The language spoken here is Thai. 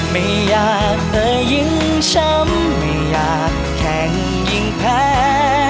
ไม่อยากเธอยิ่งช้ำไม่อยากแข่งยิ่งแพ้